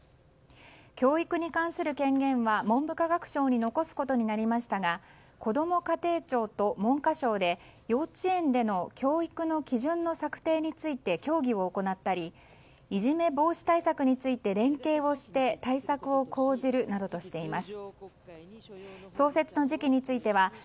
教育に関する権限は文部科学省に残すことになりましたがこども家庭庁と文科省で幼稚園での教育の基準の策定について協議を行ったりいじめ防止対策について連携をして対策を講じるなどとしています。